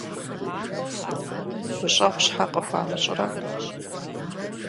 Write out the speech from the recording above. ГущӀэгъу щхьэ къыхуамыщӀрэ?